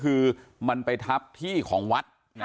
คือมันไปทับที่ของวัด